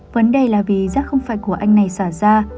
vấn đề là vì rác không phải của anh này xả ra